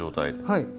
はい。